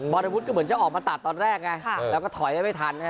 รวุฒิก็เหมือนจะออกมาตัดตอนแรกไงแล้วก็ถอยได้ไม่ทัน